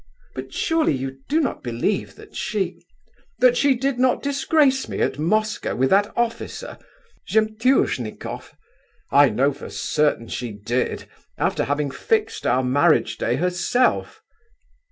"But surely you do not believe that she..." "That she did not disgrace me at Moscow with that officer, Zemtuznikoff? I know for certain she did, after having fixed our marriage day herself!"